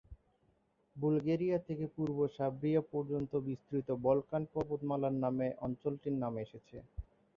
Bulgaria থেকে পূর্ব Serbia পর্যন্ত বিস্তৃত বলকান পর্বতমালার নামে অঞ্চলটির নাম এসেছে।